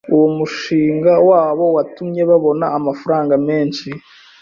Uwo mushinga wabo watumye babona amafaranga menshi